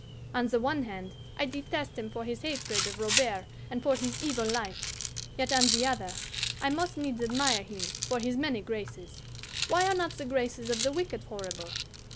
On the one hand I detest him for his hatred of Robert and for his evil life, yet on the other I must needs admire him for his many graces why are not the graces of the wicked horrible?